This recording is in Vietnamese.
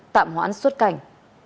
tạm hoãn xuất cảnh